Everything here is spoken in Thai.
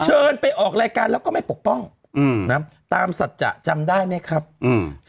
เชิญไปออกรายการแล้วก็ไม่ปกป้องอืมนะตามสัจจะจำได้ไหมครับอืม